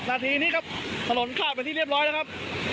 นาทีนี้ครับถนนขาดไปที่เรียบร้อยแล้วครับ